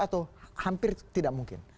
atau hampir tidak mungkin